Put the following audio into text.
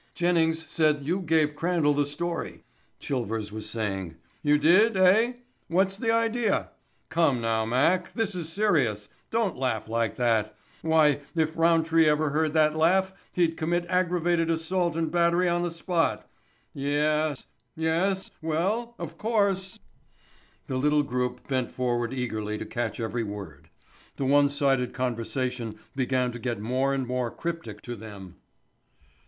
"Jennings said you gave Crandall the story," Chilvers was saying. "You did, eh?—what's the idea? Come now, Mac, this is serious—don't laugh like that—why if Roundtree ever heard that laugh he'd commit aggravated assault and battery on the spot—y e s—y e s—well, of course——" The little group bent forward eagerly to catch every word. The one sided conversation began to get more and more cryptic to them.